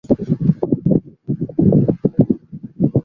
Bowling action একটু অদ্ভুত, তবে বলে আছে বিভ্রান্ত করার মতো ফ্লাইট।